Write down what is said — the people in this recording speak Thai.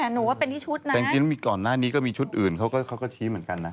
แต่หนูว่าเป็นที่ชุดนะแต่จริงก่อนหน้านี้ก็มีชุดอื่นเขาก็เขาก็ชี้เหมือนกันนะ